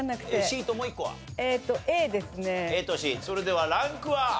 それではランクは？